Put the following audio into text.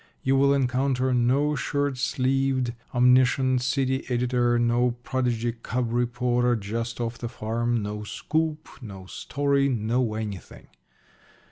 You will encounter no shirt sleeved, omniscient city editor, no prodigy "cub" reporter just off the farm, no scoop, no story no anything.